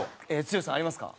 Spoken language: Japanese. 剛さんありますか？